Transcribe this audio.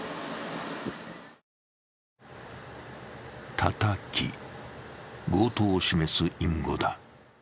叩き、強盗を示す隠語だ。